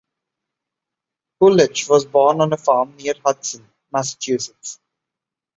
Coolidge was born on a farm near Hudson, Massachusetts.